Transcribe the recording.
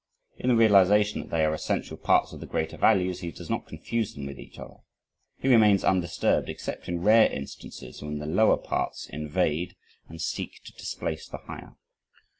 In the realization that they are essential parts of the greater values, he does not confuse them with each other. He remains undisturbed except in rare instances, when the lower parts invade and seek to displace the higher.